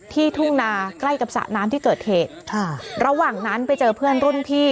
ทุ่งนาใกล้กับสระน้ำที่เกิดเหตุค่ะระหว่างนั้นไปเจอเพื่อนรุ่นพี่